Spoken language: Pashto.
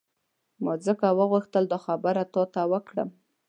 ما ځکه وغوښتل دا خبره تا ته وکړم.